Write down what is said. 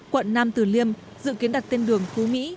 quận nam tử liêm dự kiến đặt tên đường phú mỹ